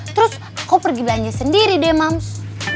terus kok pergi belanja sendiri deh mams